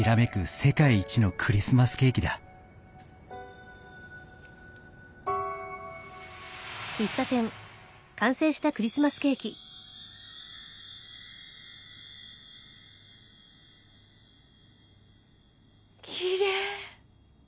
世界一のクリスマスケーキだきれい。